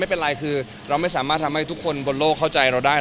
ไม่ได้ก่อให้เกิดความก้าวร้าวหรือว่าส่งผลเสียต่อไกล